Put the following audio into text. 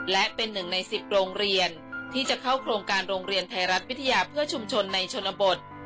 และเป็นหนึ่งใน๑๐โรงเรียนที่จะเข้าโครงการโรงเรียนไทยรัฐวิทยาเพื่อชุมชนในชนบท